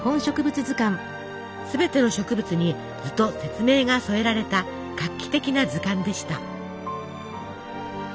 すべての植物に図と説明が添えられた画期的な図鑑でした。